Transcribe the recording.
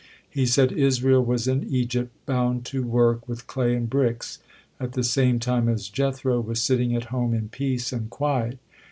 He said: "Israel was in Egypt, bound to work with clay and bricks, at the same time as Jethro was sitting at home in peace and quiet.